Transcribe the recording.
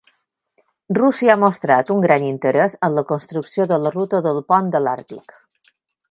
Rússia ha mostrat un gran interès en la construcció de la ruta del pont de l'Àrtic.